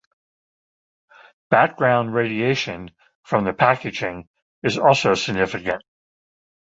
Background radiation from the packaging is also significant.